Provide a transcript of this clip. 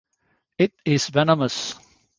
It is venomous.